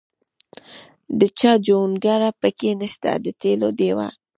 د چا جونګړه پکې نشته د تېلو ډیوه.